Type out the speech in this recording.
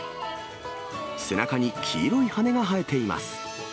背中に黄色い羽が生えています。